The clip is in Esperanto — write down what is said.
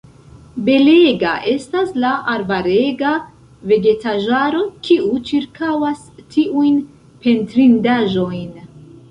Belega estas la arbarega vegetaĵaro, kiu ĉirkaŭas tiujn pentrindaĵojn.